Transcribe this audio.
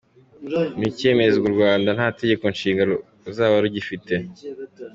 Nicyemezwa u Rwanda nta Tegeko Nshinga ruzaba rugifite !